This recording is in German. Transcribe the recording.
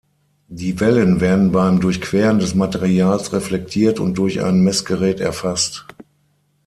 Die Wellen werden beim Durchqueren des Materials reflektiert und durch ein Messgerät erfasst.